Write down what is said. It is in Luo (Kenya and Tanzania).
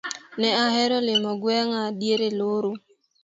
an ahero limo gweng'a diere loro.